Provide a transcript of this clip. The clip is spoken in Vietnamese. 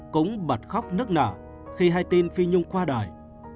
cũng bật khóc nức nở khi hai tin phi nhung qua đời